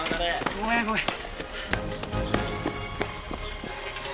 ごめんごめん。